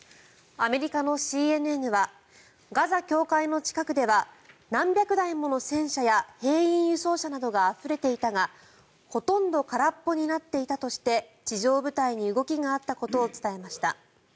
アメリカのＣＮＮはガザ境界の近くでは何百台もの戦車や兵員輸送車などがあふれていたがほとんど空っぽになっていたとして地上部隊に動きがあったことを伝えました。